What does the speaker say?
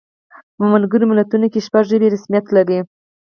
په ملګرو ملتونو کې شپږ ژبې رسمیت لري.